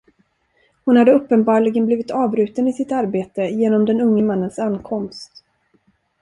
Hon hade uppenbarligen blivit avbruten i sitt arbete genom den unge mannens ankomst.